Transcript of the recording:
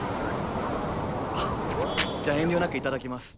あっじゃあ遠慮なく頂きます。